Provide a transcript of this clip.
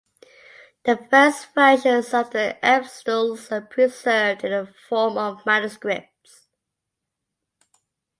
The first versions of The epistles are preserved in the form of manuscripts.